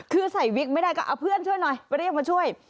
คือใส่วิกไม่ได้ก็เอาเพื่อนช่วยหน่อยไปเรียกมาช่วย